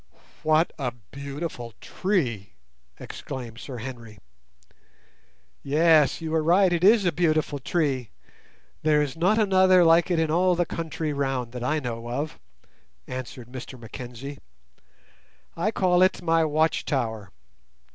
"What a beautiful tree!" exclaimed Sir Henry. "Yes, you are right; it is a beautiful tree. There is not another like it in all the country round, that I know of," answered Mr Mackenzie. "I call it my watch tower.